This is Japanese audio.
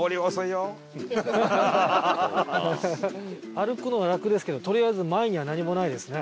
歩くのは楽ですけどとりあえず前には何もないですね。